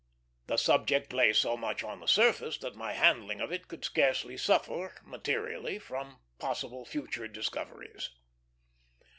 The subject lay so much on the surface that my handling of it could scarcely suffer materially from possible future discoveries.